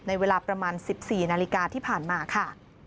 เวลาประมาณ๑๔นาฬิกาที่ผ่านมาค่ะ